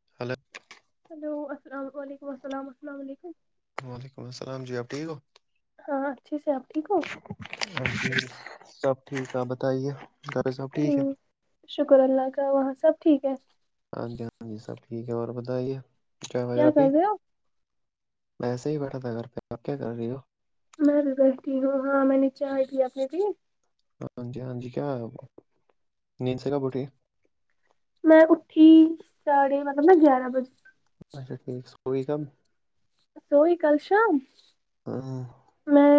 حلت hello السلام علیکم السلام السلام علیکم وعلیکم السلام جی آب ٹھیک ہو ہاں اچھیے سے آپ ٹھیک ہو ہ جی سب ٹھیک آ بتائیے گرے سب ٹھیک ہے ہ شکر اللہ کا وہاں سب ٹھیک ہے ہاں جی ہاں جی سب ٹھیک ہے اور بتائیے کیا وغیرہ پی کر رہے ہو ویسے ہی بیٹھا تھا گھر پہ آپ کیا کر رہی ہو میں بھی بیٹھی ہوں ہاں میں نے چائے لی اپنے پ ہاں جی ہاں جی کیا نیند س کا بوٹ میں اٹھی سھے مطلب ن گیارہ بجے اچھا ٹھیک سی کم سوئی کل شام ہ میں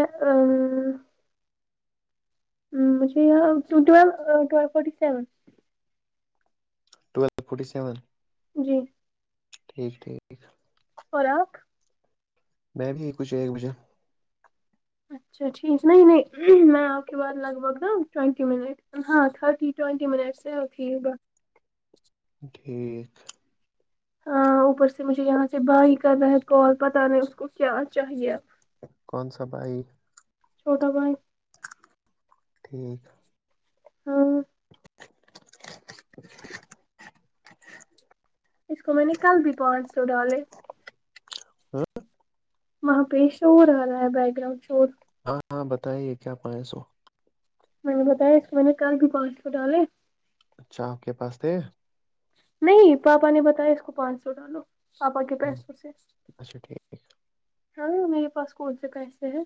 ہجے ل ٹل fifty seven twelve forty seven جی ٹھیک ٹھیک فوراک میں بھی ایک کچھ ایک بجے اچھا ٹھیک نہیں نہیں میں آپ کے بعد لگ بھگ نا ٹوئینٹی منٹ ہاں تھرٹی ٹوئینٹی منٹ سے ہوتی ہوگا ٹھیک ہاں اوپر سے مجھے یہاں سے بائی کر رہا ہے کال پتہ نہیں اس کو کیا چاہیے کون سا بھائی چھوٹا بھائی ٹھیک ہاں [unintelligible] اس کو میں نے کل بھی پہنچ سو ڈالے ہاں وہاں پی شور آ رہا ہے بیک گراؤنڈ شور ہاں ہاں بتائیے کیا پائ سو میں نے بتایا اس میں نے کل بھی پال ڈالے اچھا آپ کے پاس تھے نہیں پاپا نے بتایا اس کو پانچ سو ڈالو پاپا کے پینچ سو سے اچھا ٹھیک ہاں میرے پاس کون سے پیسے ہیں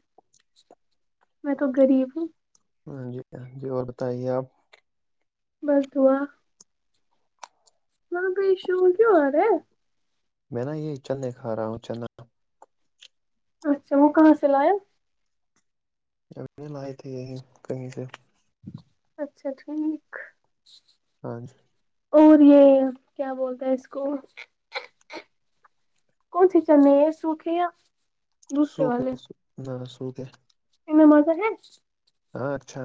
میں تو غریب ہوں ہاں جی ہ جی اور بتائیے آپ بستوا وہ بشو کیوں آ رہا ہے میں نا یہ چل نہیں کھا رہا ہوں چنا اچھا وہ کہاں سے لائق ابنے لائے تھے یہیں کہیں سے اچھا ٹھیک ہاں جی اور یہ کیا بولتا ہے اس کو کون سی چنے سوکھے یا سو دوسرے کہ نہ سو کہ انا مزہ ہے اچھا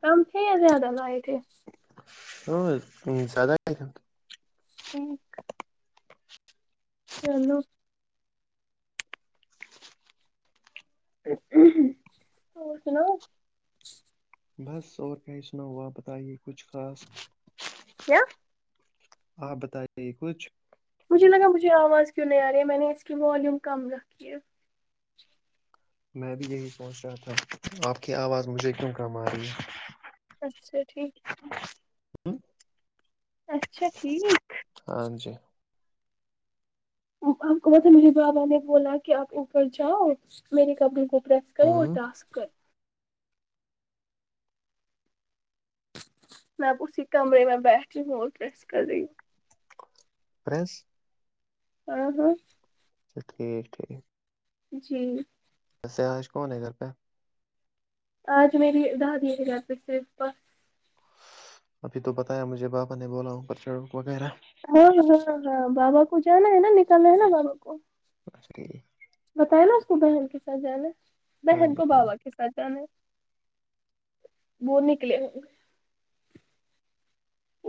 کم تھے یا زیادہ لائے تھے ا سدہ [inaudible] چلو تو سناو بس اور کیا ہی سناؤ آ بتائیے کچھ خاص کیا آپ بتائیے کچھ مجھے لگا مجھے آواز کیوں نہیں آ رہی ہے میں نے اس کی والیوم کم رکھی ہے میں بھی یہی سوچ رہا تھا آپ کی آواز مجھے کیوں کم آ رہی ہے اچھا ٹھیک ہے اچھا ٹھیک ہاں جی آپ کو بس مر بابا نے بولا کہ آپ اوپر جاؤ میرری کب بس کریں وہ ہوں ٹاسک کر میں اسی کمرے میں بیٹی ہوں اورٹرس کری فریانس ہ ہاں اچھا ٹھیک ٹھیک جی سسے آج کون ہے گھر پہ آج میری دادی ہے گ پ سےاس ابھی تو بتایا مجھے بابا نے بولا اوپر چڑو وغیرہ ہاں ہاں ہاں بابا کو جانا ہے نا نکلنا ہے نا بابا کو بری [unintelligible] بتاائے نا اس کو بہن کے ساتھ جانا ہاں بہن جی کو بابا کے ساتھ پچانے بور نکلے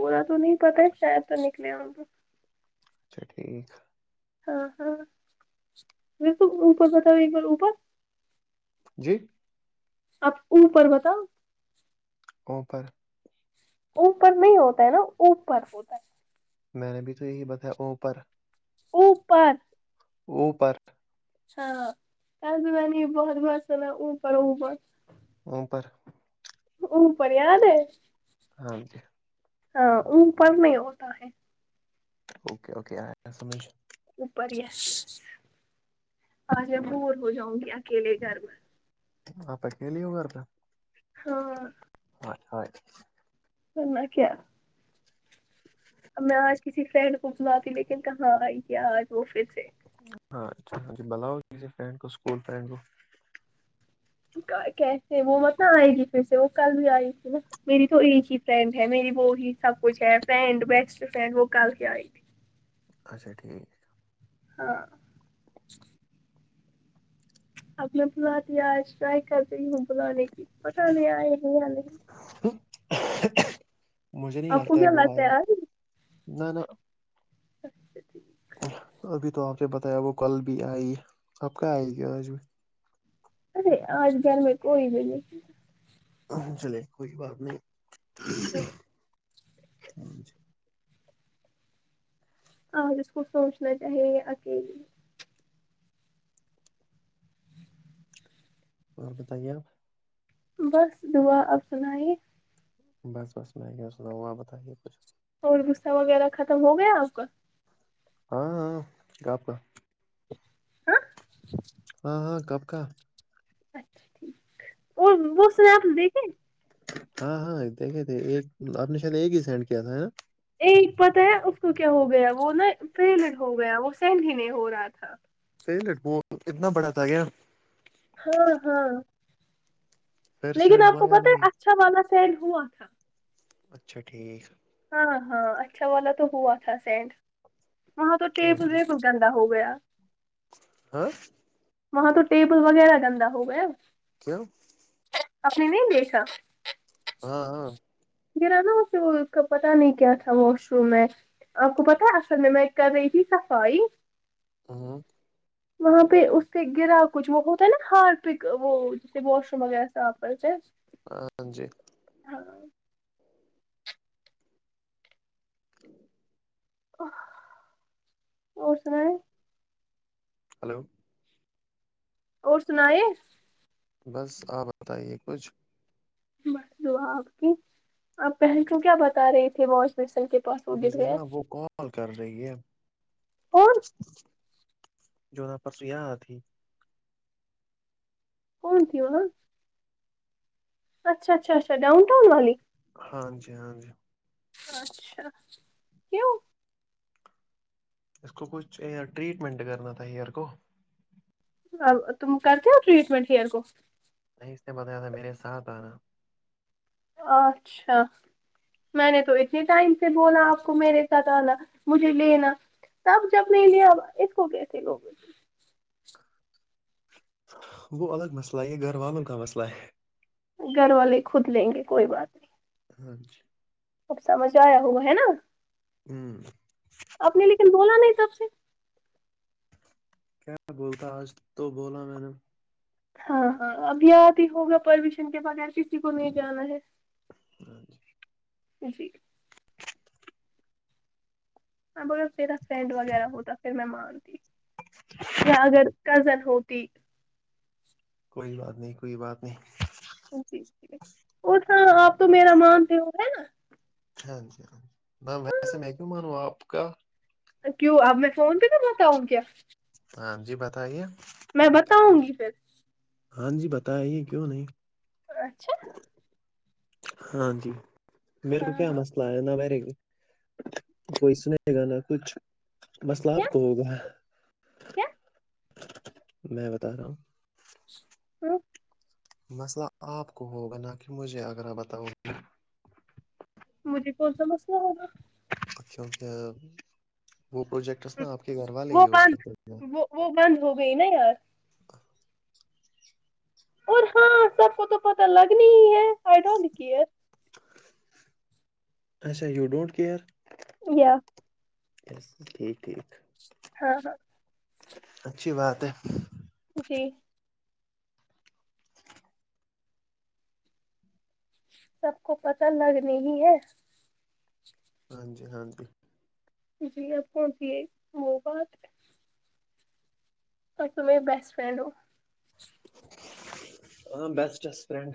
اا تو نہیں پتا شاید تو نکلے ان اچھا ٹھیک ہاں ہاں م اوپر بتاؤ ایک بار اوبر جی آپ اوپر بتاؤ اوپر اوپر نہیں ہوتا ہے نا اوپر ہوتا ہے میں نے بھی تو یہی بتایا اوپر اوپر اوپر [unintelligible] ہاں کانی بہت بہت سنا اوپر اوپر اوپر او پریاد ہے ہاں جی ہاں ا پرڑ نہیں ہوتا ہے اوکے اوکے سمش اوپر ہی ہے آج میں بور ہو جاؤں گی اکیلے گھرم آپ اکیلیے ہو گھر پہ ہاں ا [inaudible] سنا کیا ہ [inaudible] ا میں آج کسی فرینڈ کو سنااتی لیکن کہاں آئی کیا آج وہ پھر سے ہاں اچھا بلاؤ کسی فریڈ کو اسکول فرینڈ کو کیسے وہ مت آئے گی پھر سے وہ کل بھی آئی تھی نا میری تو ایک ہی فرنڈ ہے میری وہ ہی سب کچھ ہے فرینڈ بیسٹ فرنڈ وہ کل کے آئے ت اچھا ٹھیک ہاں آپ نے بلا دیا ٹرائی کر رہی ہوں بلاانے کی پ پت نہیں آئے نہیں نہیں مجھے نہیں آ لگتا ہے وہ آئے کبیلہاتاتیرای نہ نہ اچھا ٹھیک ابھی تو آپ نے بتایا وہ کل بھی آئی آپ کہ آئے گ آج بھی ارے آج کل میں کوئی بھی نہیں چلے کوئی بات نہیں ہ جس کو سوچنا چاہیے اکیلی اور بتائیے آپ بس دعا اپنائی بس بس وعلیکم السلام و بتاتہ اور غصہ وغیرہ ختم ہو گیا آپ کا ہاں ہاں گ آپ کا آ [unintelligible] ہاں ہاں کپ کااں اچھا ٹھیک اور وہ سرپ دیکھ ہاں ہاں دیکھے تھے ایک آپ نے شاید ایک ہی سینڈ کیا تھا ہے نا ایک پتا ہے اس کو کیا ہو گیا وہ نا فیلڈ ہو گیا وہ سینڈ ہی نہیں ہو رہا تھا لٹب اتنا بڑا تھا گیا ہاں ہاں پھر لیکن سینڈ آپ ہوا کو یا پتا نہیں ہے اچھا والا سڈ ہوا تھا اچھا ٹھیک ہاں ہاں اچھا والا تو ہوا تھا سینڈ وہاں تو ٹیپ ویب گ ہو گیا ہاں وہاں تو ٹیبل وغیرہ گندا ہو گیا کیوں اپ نے نہیں دیکھا ہاں ہاں گرا نا اسے اس کا پتاہ نہیں کیا تھا واش روم میں آپ کو پتا ہے اصر میں ایک کر رہی تھی صفا ہے ہاں وہاں پہ اس پہ گرا کچھ وہ ہوتا ہے نا ہار پہ وہ جیسے واش روم وغیرہ صاف کرتے ہیں ہاں جی [inaudible] [inaudible] اور سنائیں ہلو اور سنا ہے بس آپ بتائیے کچھ بس دعا آپ کی آپ پہل کیوں کیا بتا رہے تھے بوش مرسن کے پاس وہ گر مجھے گیا نا وہ کال کر رہی ہے کون جو نہا پرسویا آ تھی کون تھ آ اچھا اچھا اچھا ڈاؤنٹاؤن والی ہاں جی ہاں جی اچھا کیوں اس کو کچھ ٹریٹمنٹ کرنا تھا ایئر کو اب تم کرتے ہو ٹریٹمنٹ ہیئر کو نہیں اس سے بتیا تھا میرے ساتھ آنا اچھا میں نے تو اتنے ٹائم سے بولا آپ کو میرے ساتھ آنا مجھے لینا تب جب نہیں لیا اس کو کیسے لوگ وہ الگ مسئلہ ہے گھر والوں کا مسئلہ ہے گھر والے خود لیں گے کوئی بات نہیں ہاں جی اب سمجھ آیا ہوا ہے نا ہوں اپ نے لیکن بولا نہیں تب سے کیا بولتا آج تو بولا میں نے ہاں ہاں اب د ہی ہوگا پرمیشن کے بغیر کسی کو نہیں جانا ہے ہاں جی ج جی ہاں ب میرا فرینڈ وغیرہ ہوتا پھر میں مانتی یا اگر کزن ہوتی کوئی بات نہیں کوئی بات نہیں جی ج اور ہاں آپ تو میرا مانتے ہو ہے نا ہاں جی ج ویسے میں مانو آپ کا کیوں اب میں فون پہ کروتا ہوں کیا ہاں جی بتائیے میں بتاؤں گی پھر ہاں جی بتایا یہ کیوں نہیں اچھا ہاں جی میرے کو ہاں کیا ہاں مسلہ نہ بیرے کوئی سنے گا نا کچھ مسئلہ کیا آپ کوئی ہوگا کیا میں بتا رہا ہوں [inaudible] مسئلہ آپ کو ہوگا نہ کہ مجھے آگرہ بتاؤں مجھے کون سا مسئلہ ہوگا اچ کیکہ وہ پروجیکٹس نا آپ کے گھر والے ہی وہ یوز بند کرتے ہیں وہ وہ بند ہو گئی نا یار اور ہاں سب کو تو پتا لگنی ہی ہے آئی ڈونٹ کیئر اچھا یو ڈونٹ کیئر یا س ٹھیک ٹھیک ہاں ہاں اچھی بات ہے جی سب کو پتا لگنے ہی ہے ہاں جی ہاں جی جی آپ کون سی ہے وہ بات ہے اور ت میرری بیسٹ فرینڈ ہو ہاں بیسٹس فرینڈ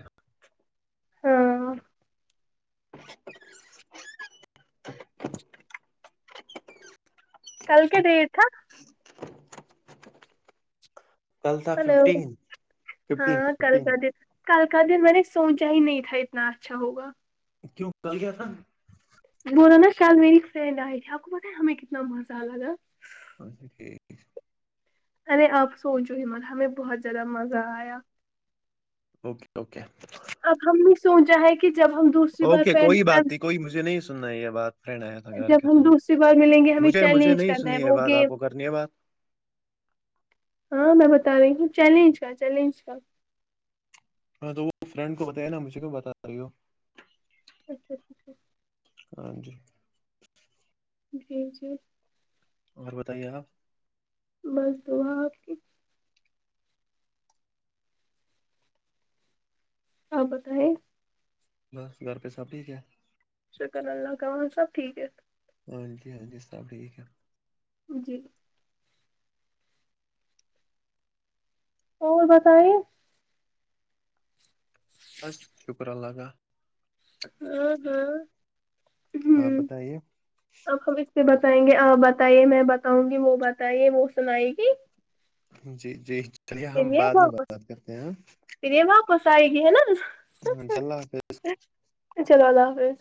ہاں [inaudible] کل کے دی تھا [unintelligible] کل تھا ہلو ففٹین ففٹین ہاں ففٹین کلاد [unintelligible] کل کا دن میں نے سونچا ہی نہیں تھا اتنا اچھا ہوگا کیوں کل گیا تھا [inaudible] بول نا شل میری فرینڈ آئی تھی آپ کو پت ہمیں کتنا مزہ آ ل تھاا اچا ٹھیک [inaudible] ارے آپ سوچو ہی مل ہمیں بہت زیادہ مزہ آیا اوکے اوکے اب ہم نے سوچا ہے کہ جب ہم دوسری بار اوکے کوئی بات فرینڈ نہیں کوئی مجھے نہیں سننا ہے یہ بات فرین آیا کیا جب تھا ہم دوسری بار ملیں گے ہمیں مجھے مجھے چیلنج نہیں کرنا سنی ہے وہ بات آپ گیم کو کرنی ہے بات [inaudible] ہاں میں بتا رہی ہوں چیلنج کا چیلنج کا ہاں تو وہ فرینڈ کو بتایا نا مجھے کو بتا رہی ہو اچھا [inaudible] ہاں جی جی جی [inaudible] اور بتائیے آپ بس داں آپ کی [unintelligible] ہاں بت ہے [unintelligible] بس گزار رپئے سب ٹھیک ہے شکر اللہ ک ص سب ٹھیک ہے ہاں جی ہاں جی سب ٹھیک ہے جی اور بتائیے بس شکر الگا [inaudible] ہ ہاں ہاں ہ بتائیے اب ہم اس سے بتائیں گے بتائیے میں بتاؤں گی وہ بتائیے وہ سنائے گی جی جی چلی ہم بعد میں بات کرتے ہیں پوا کوسائے گی ہے نا [unintelligible] ہ انا اللہ حافظ [inaudible] چلو اللہ حاظ